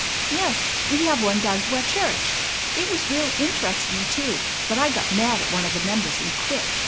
"Yes, we have one down to our church. It was real interesting, too; but I got mad at one of the members, and quit.